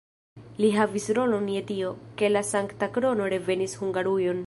Li havis rolon je tio, ke la Sankta Krono revenis Hungarujon.